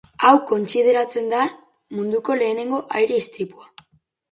Hau kontsideratzen da munduko lehenengo aire istripua.